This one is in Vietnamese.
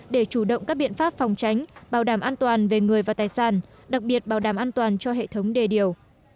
để chủ động các biện pháp phòng tránh bảo đảm an toàn về người và tài sản đặc biệt bảo đảm an toàn cho hệ thống đề điều